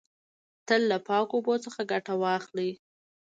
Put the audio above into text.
تل له پاکو اوبو څخه ګټه واخلی.